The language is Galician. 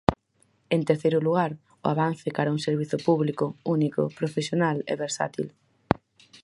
En terceiro lugar, o avance cara a un servizo público, único, profesional e versátil.